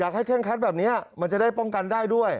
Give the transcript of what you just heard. เคร่งคัดแบบนี้มันจะได้ป้องกันได้ด้วย